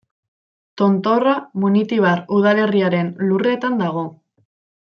Tontorra Munitibar udalerriaren lurretan dago.